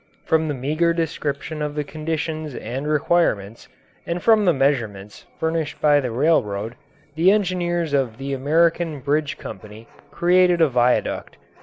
From the meagre description of the conditions and requirements, and from the measurements furnished by the railroad, the engineers of the American bridge company created a viaduct.